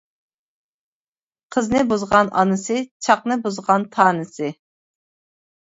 قىزنى بۇزغان ئانىسى، چاقنى بۇزغان تانىسى.